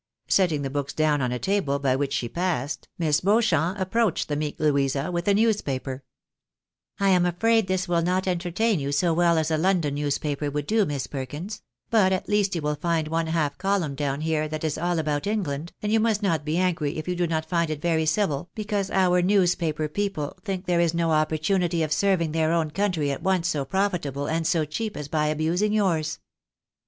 Setting the books down on a table by whicli she passed, Miss Beauchamp approached the meek Louisa with a newspaper. 7i THE BARNABYS IN AMERICA. " I am afraid this will not entertain you so well as a London newspaper would do, Miss Perkins ; but at least you will find one half column down here that is all about England, and you must not be angry if you do not find it very civil, because our newspaper people think there is no opportunity of serving their own country at once so profitable and so cheap as by abusing yours."